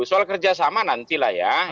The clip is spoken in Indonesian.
soal kerja sama nantilah ya